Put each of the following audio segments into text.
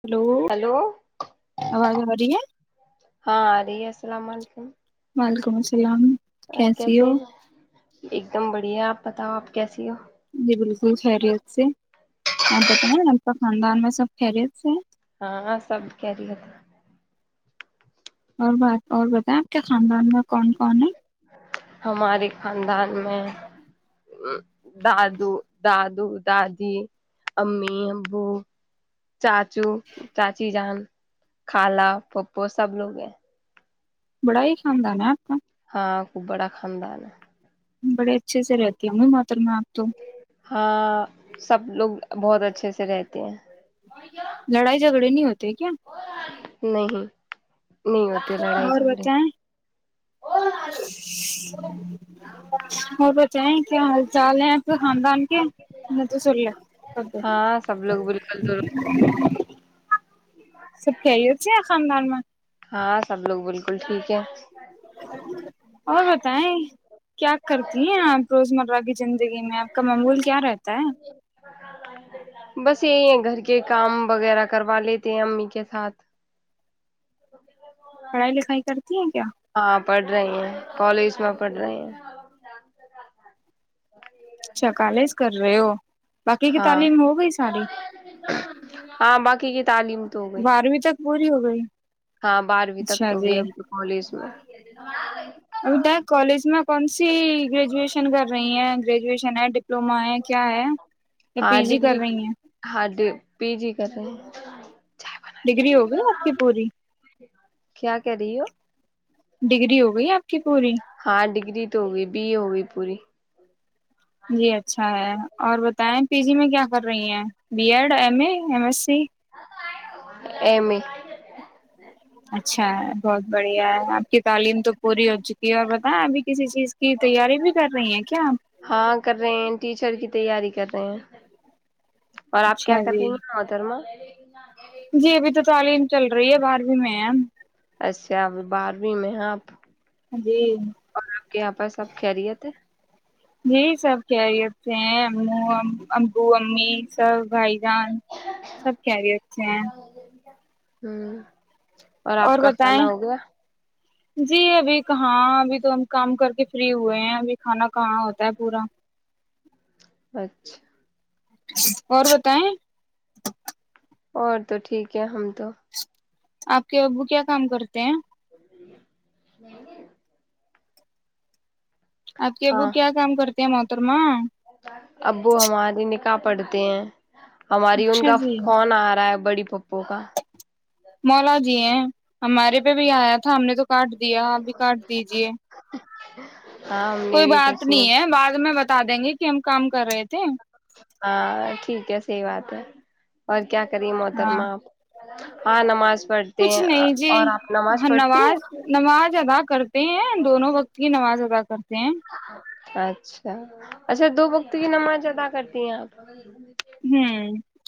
hello hello آواز آ رہی ہے جی السلام علیکم وعلیکم السلام [unintelligible] ا کیسی کیاسے ہو ہیں [unintelligible] ایک دم بڑھیا ہے آپ بتاؤ آپ کیسی ہو جی بالکل خیریت سے آپ بتائیں آپ کا خاندان میں سب خیریت سے ہے ہاں سب کیری تھا اور بات اور بتائیں آپ کے خاندان میں کون کون ہے ہمارے خاندان میں دادو دادو دادی امی ابو چاچو چاچی جان کالا پپو سب لوگ ہیں بڑا ہی خاندان ہے آپ کا ہاں خوب بڑا خاندان ہے بڑے اچھے سے رہتی ہیں م ماتر میں آ ہاں سب لوگ [unintelligible] بہت اچھے سے رہتے ہیں لڑائی جھگڑے نہیں ہوتے کیا نہیں نہیں ہوتے لڑائی اور جھگڑے بتائیں اور بتیں ہال چال ہیں تو خاندا تو سر ل ہاں لوگ بالکل سب درست سب کی ہو تھ خدان میں ہاں سب لوگ بالکل ٹھیک ہے اور بتائ کیا کرتی ہیں آپ روزمرہ کی زندگی میں آپ کا معمول کیا رہتا ہے بس یہی ہے گھر کے کام وغیرہ کروا لیتے ہیں امی کے ساتھ پڑھائی لکھائی کرتی ہیں کیا ہاں پڑھ رہی ہیں کالج میں پڑ رہے ہیں اچھا کالز کر رہے ہو باقی کی ہاں تعلیم ہو گئی ساری کہ [unintelligible] تعلیم تو ہو گئی بارہویں تک پوری ہو گئی ہاں بارہویں تک اچھا تو ہو گئی جی ابھی تو کالج میں ابھی ت کالج میں کون سی گریجویشن کر رہی ہیں گریجوشن ج [unintelligible] ہاں جی کر ڈگری رہی ہیں ہاں ڈ پی جی کرتے ہیں ڈگری ہو گیا آپ کی پوری کر رہیو ڈگری ہو گئی آپ کی پوری ہاں ڈگری ہوگئی بی ہو گئی پوری جی اچھا ہے اور بتائیں پی جی میں کیا کر رہی ہیں B Ed M A M S C ایمی ای اچھا بہت بڑھیا ہے آپ کی تعلیم تو پوری ہو اور بتائیں ابھی کسی چیز کی تیاری بھی کر رہی ہیں کیا ہاں کر رہے ہیں ٹیچر کی تیاری کر رہے ہیں اور آپ کیا اچھا جی کرنی ہیں دھرما جی ابھی تو تعلیم چل رہی ہے بارہویں میں ہے اھا ابھی بارہویں میں ہیں آپ جی اور آپ کے یہاں پر س آب خریت ہے یہی سب خیریت ہیں او امبو امی سب بھائی جان سب خیریت اچھے ہیں ہاں اور آپ کا کھانا ہو گیا جی ابھی کہاں ابھی تو ہم کام کر کے فری ہوئے ہیں ابھی کھانا کہاں ہوتا ہے پورا اچھا اور بتائیں اور تو ٹھیک ہے ہم تو آپ کے ابو کیا کام کرتے ہیں نہیں آپ کے ابو ہاں کیا کام کرتے م [inaudible] ابو ہماری نک پڑتے ہیں ہماری ان اچھا کا جی فون آ رہا ہے بڑی پھپھو کا مولا جی ہیں ہمارے پہ بھی آیا تھا ہم نے تو کاٹ دیا اب بھی کاٹ دیجے ہاں ہم نے کوئی بھی بات کچھ نہیں ہے بعد میں بتا دیں گے ہم کام کر رہے تھے ہاں ٹھیک ہے صحی بات ہے اور کیا کری ہاں محترما آپ ہاں نماز پڑھتے کچھ ہیں نہیں جی اور آپ پڑھتی نماز ہیں نماز ادا کرتے ہیں دونوں وقت کی نماز ادا سے [inaudible] اچھا اچھا دو وقت کی نماز ادا کرتی ہیں آپ ہ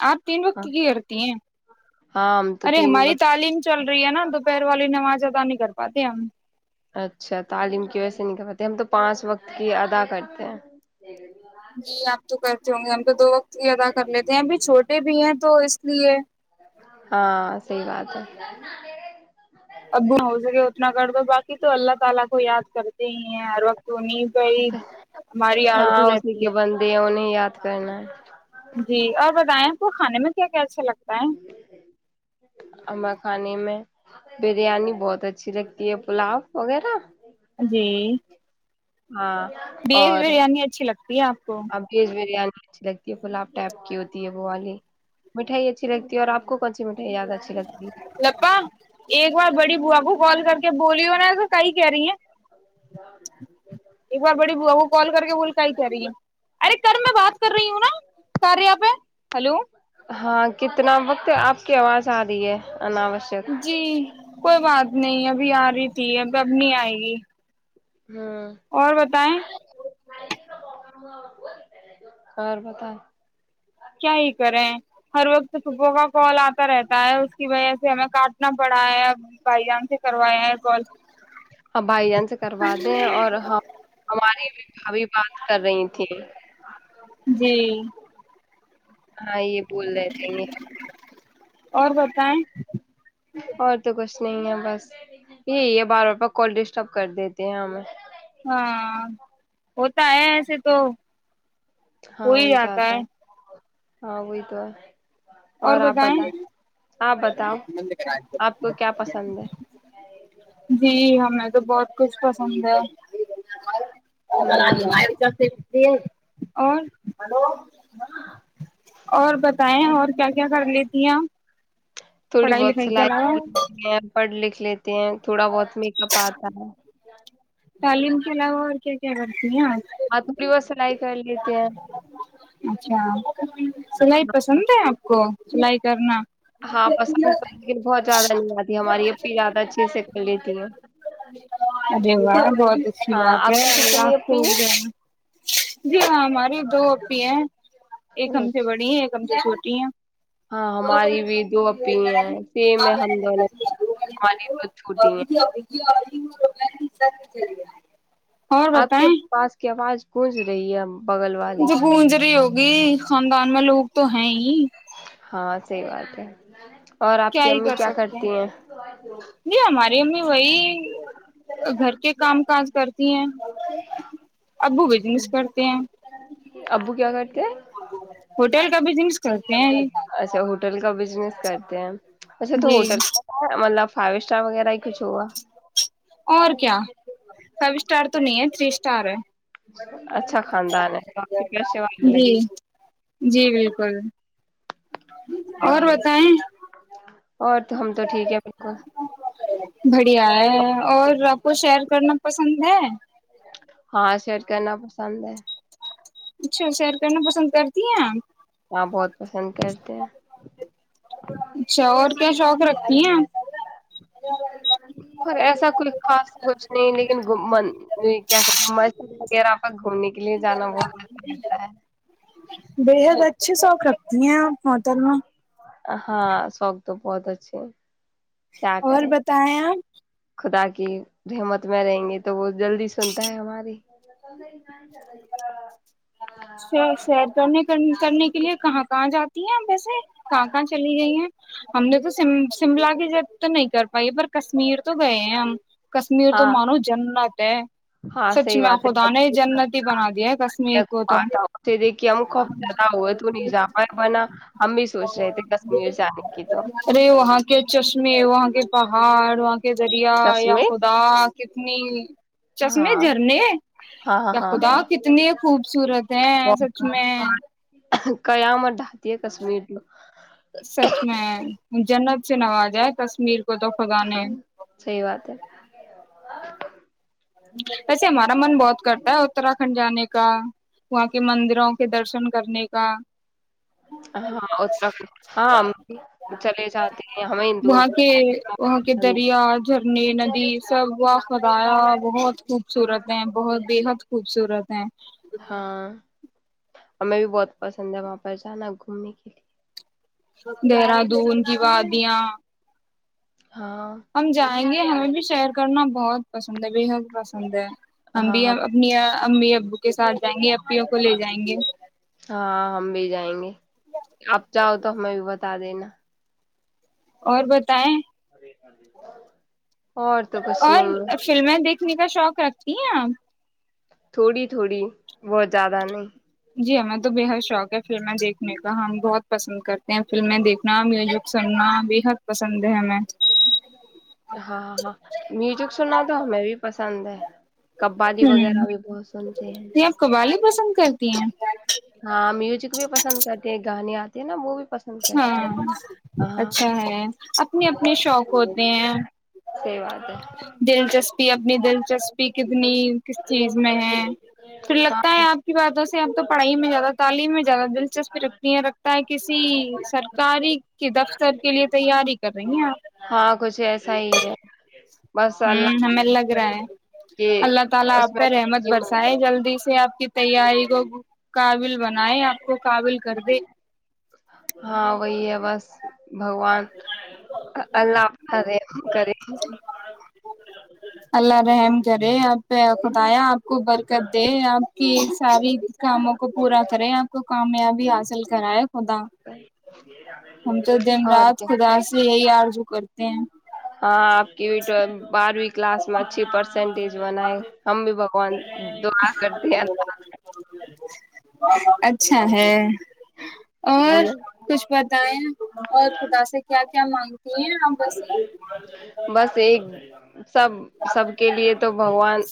آپ تین وقت ہاں کی کرتی ہیں ہاں ہم تو ارے تین ہماری وقت تعلیم چل رہی ہے نا دوپہر والی نماز پتا نہیں کر پاتے ہم اچھا تعلیم کی ویسے نہیں کرواتے ہم تو پانچ وقت کی ادا کرتے ہیں جی آپ تو کر کیونکہ ہم تو دو وقت ہی ادا کر لیتے ہیں ابھی چھوٹے بھی ہیں تو اس لیے ہاں صحیح بات ہے ابو ہو سکے اتنا کر دو باقی تو اللہ تعالی کو یاد کرتے ہیں ہر وقت تو نہیں ہاں اسی کے بندے ہیں انہیں یاد [unintelligible] جی اور بتائیں تو کھے میں کیا کیا اچھا لگتا ہے اما خانے میں بریانی بہت اچھی لگتی ہے پلاؤ وغیرہ ہاں بیڈ اور بریانی اچھی لگتی ہے آپ کو اب ویج بریانی اچھی لگتی ہے پلاب ٹائپ کی ہوتی ہے وہ والی مٹھائی اچھی لگتی ہے اور آپ کو کون سی مٹھائی زیادہ اچھی لگتی ہے لپا ایک بار بڑی بوآ کو کال کر کے بولی ہو نا تو کئ کہہ رہی ہیں ایک بار بڑی بوآ کو کال کر کے بول کا ہی کر رہی ہے ارے کر میں بات کر رہی ہوں نا سارے یہاں پہ ہلو ہاں کتنا وقت آپ کی آواز ساری ہےے اناوشر جی کوئی بات نہیں ابھی آ رہی جی اب نہیں آئے گی ہوں اور بتائیں اور بتاؤ کیا ہی کریں ہر وقت صبح کا کال آتا رہتا ہے اس کی وجہ سے ہمیں کاٹنا پڑا ہے بھائی جان سے کروایا ہے کال بھائی جان سے کروا دے اور ہماری بھی بات کر رہی تھی جی ہاں یہ بول رہے تھے نے ہم بھی اور بتائیں اور تو کش کچ نہیں ہے بس یہی ہے بار بار پ کال ڈسٹرب کر دیتے ہیں ہمیں ہمم ہوتا ہے ایسے تو ہو ہاں ہی وہی جاتا جاتتا ہے ہاں وہئی تو اور بتائیں آپ بتاؤ آپ کو کیا پسند ہے جی ہمیں تو بہت کچھ پسند ہے اور ہوں اور بتائ اور کیا کر لیتی آ تھوڑی بہت سلائی پڑھ لکھ لیتے ہیں تھوڑا بہت میک اپ آتا ہے تعلیم کے علاوہ اور کیا کیا ہاں بے تھوڑی بہت سلائی کر لیتے ہیں اچھا سلائی پسند ہے آپ کو سلائی کرنا ہاں پسند لیک بہت زیادہ نہیں آتی ہماری یہ زیادہ اچھے سے کر لیتی ہے ارے بہت اچھی بات ہے اللہ اپی خ جی ہاں ہماریے دو ای ہیں ایک ہیں ہم سے اچھا بڑی ایک ہم چھوٹی ہیں ہاں ہماری بھی دو اپی ہیں سیم ہم دونوں ہماری دو چوٹی ہیں سب چری گ آپ کے پاس کی آواز گزریا جو گونجری ہوگ گی خاندان میں لوگ تو نہیںاں صحی بات ہے اور آپ کیا کی ہی امی کر سکتے ہیں کرتی ج ہماری امی وہی گھر کے کام کاج کرتی ہیں ابو بجنس کرتے ہیں ابو کرتے کیا کازس اچھا ہوٹل کا بزنس کرتے ہیں اچھا تو جی ہوٹل کا کیا مطلب فائیو اسٹار وغیرہ ہی کچھ ہوا اور کیا فائیو اسٹار تو نہیں ہے تھری اسٹار ہے اچھا خاندان ہے بپ پیشے وال لگ جی جی بالکل اور بتائ اور تو ہم تو ٹھیک ہے بالکل بڑھیا ہے اور آپ کو شیئر کرنا پسند ہے ہاں سیٹ کرنا پسند ہے اچھا سئیر کرنا پسند کرتی ہیںپ آ بہت پسند کرتے ہیں اچھا اور کیا شوق رکھتی ہیں اور ایسا کوئی خاص کچھ نہیں لیکن کیا کہتے م وغیرہ گھومنے کی لیے جانا بہت اچھا لگتا ہے بےحد اچھی سوق رکھتی ہیں آپ ہوٹل میں ہاں شک تو بہت اچ اور بتائیں آپ کہ ہممت میں رہیں گے تو وہ جلدی سنتا ہے ہماری سیرنے کرنے کے لیے کہاں کہاں جاتی ہیں ہم ویسے کہاں کہاں چلی گئی ہیں ہم نے تو شملا کی ج تو نہیں کر بی پر کشمیر تو گئے ہیں ہم کشمیر تو ہاں مانو جنت ہے ہاں سچ صحیح میں بات ہے خدا نے جنت ہی بنا دیا ہے کشمیر کو تو بات تھے دیکھیے ہم خوب زیادہ ہوئے تو ن جاامہ ہے بنا تو ارے وہاں کے چشمے وہاں کے پہاڑ واں [unintelligible] کے ذریعہ یا چشمے خدا کتنی ہاں چشمے جھرنے ہاں ہاں یا ہاں خدا ہاں کتنی خوبصورت ہیں سچ میں قیا میں ڈھاتی ہے کشمیر میں سچ میں جنت سے نواجائے کشمیر کو تو خدا نے ہاں سی بات ہے [unintelligible] ویسے ہمارا من بہت کرتا ہے اتراکھنڈ جانے کا کا وہاں کے مندروں کے درشن کرنے کا ہاں اتر ہاں ہم بھی چلے جاتے ہیں ہمیں ہندوؤں وہاں جنی ندی سب وا خدایا [unintelligible] بہت خوبصورت ہیں بہت بےحد خ خوبصورت ہیں ہاں ہمیں بھی بہت پسند ہے وہاں پر جانا گھومنے کے لیے دہرادون کی و آدیاں ہاں ہم جائیں گے ہمیں بھی شہر کرنا بہت پسند ہے بح [unintelligible] پسند ہے ہمب ہاں ہم اپنییا امی اب بک سات [unintelligible] ہاں ہم بھی جائیں گے آپ چاہ تو ہمیں بھی بتا دینا اور بت [unintelligible] اور تو کچھ نہیں ہے دیککھنے کا شوق رکھتی ہیں آپ [unintelligible] تھوڑی تھوڑی بہت زیادہ نہیں جی ہمیں تو بے حد شوق ہے فلمیں دیکھنے کا ہم بہت پسند کرتے ہیں فلمیں دیکھنا میوزک سننا بے حد پسند ہے ہمیں ہاں ہاں میوزک سنا تو ہمیں بھی پسند ہے قوالی ہوں وغیرہ بھی بہت سنتے ہیں یہ آپ قوالی پسند کرتی ہیں ہاں میوزک بھی پسند کرتے ہیں گان آ ت نا موی [unintelligible] ہاں اچھا ہے اپنے اپنے شوق ہوتے ہیں صحیح بات ہے دلچسپی اپنی دل دلچسپی کتنی کس چیز میں ہے پھر ہاں لگتا ہے آپ کی باتوں سے اب تو پڑھائی میں زیادہ تعلیم میں زیادہ دلچسپی رکھتی ہیں رکھتا ہے کہ ہاں کچھ ایسا ہی ہے بس اللہ کہ اس میں ترقی ملتا، [inaudible] کی تیاری کو قابل بنائے آپ کو قابل کر دے ہاں وہی ہے بس بھگوان اللہ اپنا رحم کرے اللہ رحم کرے آپ پہ خدایا آپ کو برکت دے آپ کی س [inaudible] کاموں کو پورا کریں آپ کو کامیابی آ [unintelligible] چل کرا ہے خدا ہم تو اور رات کیا خدا سے یہی آ [unintelligible] جو کرتے ہیں ہاں آپ کی ہو بر بھی کلاس میں اچھی پرسینٹیج بنائے ہم بھی کون دا کرتے ان ج [unintelligible] اچھا ہے [unintelligible] اور اللہ کچھ بتائیں اور خدا سے کیا کیا مانگتی ہیں آ بس بس ایک سب سب کے لیے تو بھگوان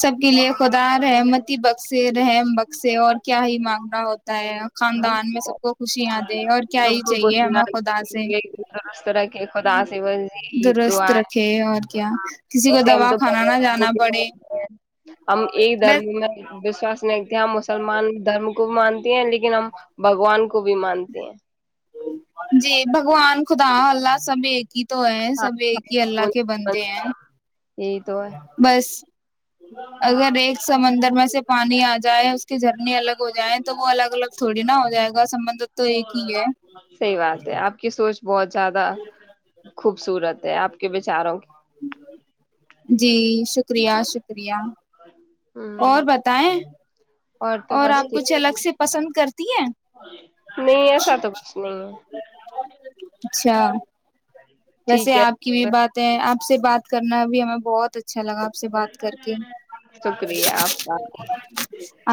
سب کے لیے خدا رحمتی بخش رحم بخسے اور کیا ہی مانگنا ہوتا خاندان میں سب کو خوشیاں دے اور کیا سب یہ کو چاہیے ہمیں خدا سے درست رکھے خدا سے بس یہی درست دعا رکھے اور کیا کسی کو ویسے دوا کھانا نہ جانا پڑے ہم ایک بس دھرم میں وشواس نہیںتے ہم اس سلمان دھرم کو مانتے ہیں لیکن لیکن ہم بگوان کو بھی مانتے ہیں جی بگوان دکھداں حلہ سمے کی [unintelligible] تو ہے ہاں سب ایک ہی اللہ کے بندے ہیں یہی تو ہے بس اگر ایک سمندر گر میں سے پانی آ جائے کی جھرنی الگ ہو جائےیں تو وہ الگ الگ تھوڑی نا ہو جائے گا سبندت تو ایک ہی ہے صحیح بات ہے آپ کی سوچ بہت زیادہ خب صورت ہے آپ کے بیچاروں جی شکریہ شکریہ ہ اور بتائیں تو اور بس آپ کچھ ٹھیک الگ سے پسند کرتے نہیں ایسا تو کچھ نہیں ہے اچھا ویسے ٹھیک ہے آپ کی بھی باتیں آپ سے بات کرنا بھی ہمیں بہت اچھا لگا سے بات کر کے شکریہ آپ کا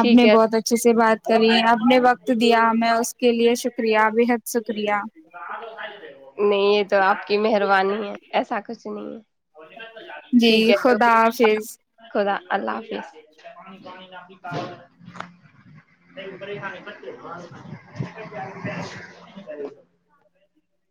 آپ نے ہے بہت اچھے سے بات کری آپ نے وقت دیا میں کے لیے شکریہ بے حد شکریہ آلو سائ دے وہ [unintelligible] نہیں یہ تو آپ کی مہربانی ہے ایسا کچ نہیں ہے جی ٹھیک ہے خدا تو حافظ خدا اللہ حافظ ہاں